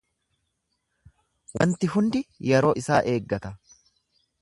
Wanti hundi yeroo isaa eeggata.